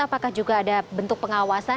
apakah juga ada bentuk pengawasan